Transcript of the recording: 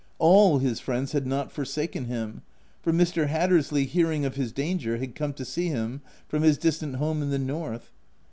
All his friends had not forsaken him, for Mr. Hatters ley, hearing of his danger, had come to see him from his distant home in the north.